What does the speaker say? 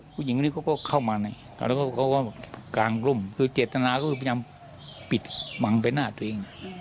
ผู้หญิงนี้เขาก็เข้ามาในแล้วก็เขาก็ว่ากลางร่มคือเจตนาก็พยายามปิดหวังไปหน้าตัวเอง